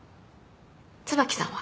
椿さんは？